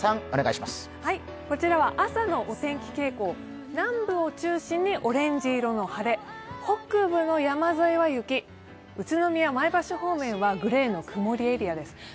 こちらは朝のお天気傾向、南部を中心にオレンジ色の晴れ、北部の山沿いは雪宇都宮、前橋方面はグレーの曇りエリアです。